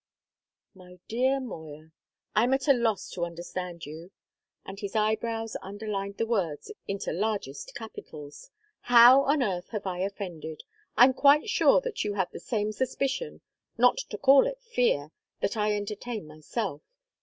"My dear Moya, I'm at a loss to understand you!" and his eyebrows underlined the words into largest capitals. "How on earth have I offended? I'm quite sure that you have the same suspicion not to call it fear that I entertain myself.